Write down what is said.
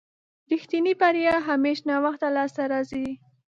رښتينې بريا همېش ناوخته لاسته راځي.